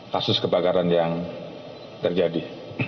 kasus kebakaran yang terjadi